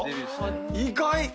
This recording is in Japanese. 意外！